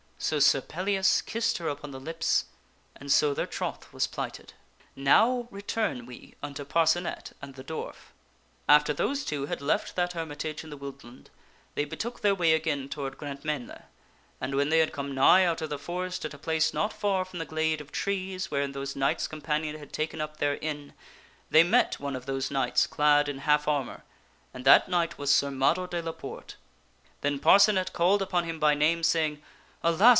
So Sir Pellias kissed her upon the lips, and so their troth was plighted. Now return we unto Parcenet and the dwarf: After those two had left that hermitage in the woodland, they betook their way again toward Grantmesnle, and when they had come nigh out of the forest at a place not far from the glade of trees wherein p arcenet bring. those knights companion had taken up their inn, they met eth news of sir f ., i .,, ij. tir j A i x i i Pellias to Sir one of those knights clad in half armor, and that knight was Motor de la Sir Mador de la Porte. Then Parcenet called upon him by Porte name, saying, " Alas